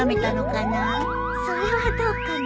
それはどうかな。